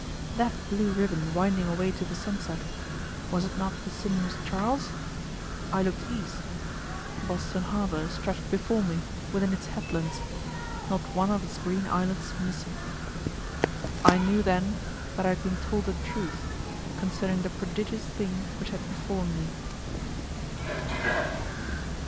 That blue ribbon winding away to the sunset, was it not the sinuous Charles? I looked east; Boston harbor stretched before me within its headlands, not one of its green islets missing. I knew then that I had been told the truth concerning the prodigious thing which had befallen me.